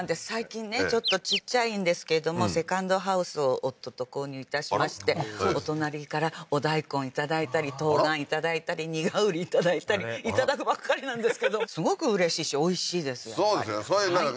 最近ねちょっとちっちゃいんですけれどもセカンドハウスを夫と購入いたしましてお隣からお大根いただいたりトウガンいただいたりニガウリいただいたりいただくばっかりなんですけどすごくうれしいしおいしいですそうですよね